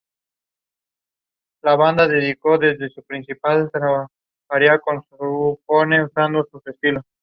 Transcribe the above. Zeuxis fue una de las anunciadas para el torneo femenino Mae Young Classic.